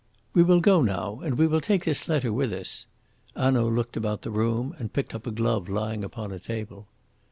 "We will go now, and we will take this letter with us." Hanaud looked about the room, and picked up a glove lying upon a table.